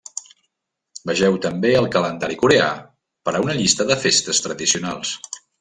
Vegeu també el calendari coreà per a una llista de festes tradicionals.